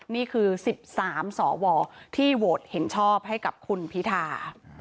นี่คือ๑๓สวที่โหวตเห็นชอบให้กับคุณพิธา